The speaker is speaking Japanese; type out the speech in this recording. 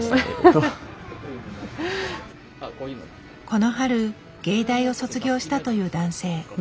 この春芸大を卒業したという男性。